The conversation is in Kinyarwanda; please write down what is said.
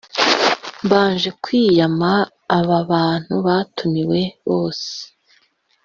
Mbanje kwiyama aba bantu batumiwe bose